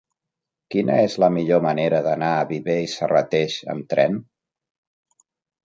Quina és la millor manera d'anar a Viver i Serrateix amb tren?